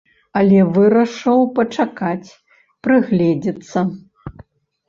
Але вырашыў пачакаць, прыгледзецца.